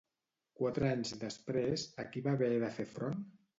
Quatre anys després, a qui va haver de fer front?